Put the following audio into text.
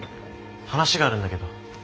話があるんだけど。